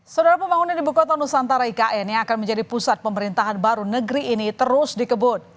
saudara pembangunan ibu kota nusantara ikn yang akan menjadi pusat pemerintahan baru negeri ini terus dikebut